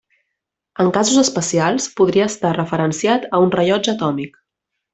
En casos especials podria estar referenciat a un rellotge atòmic.